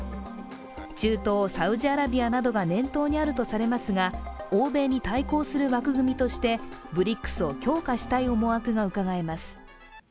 中東サウジアラビアなどが念頭にあるとされますが、欧米に対抗する枠組みとしてＢＲＩＣＳを強化したい思惑がうかがえます。